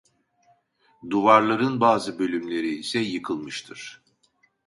Duvarların bazı bölümleri ise yıkılmıştır.